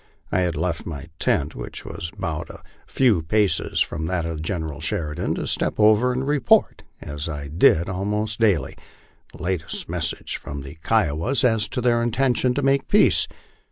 I had left my tent, which was but a few paces from that of General Sheridan, to step over and report, as I did al most daily, the latest message from the Kiowas as to their intention to make peace.